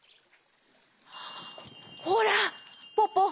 ほらポポ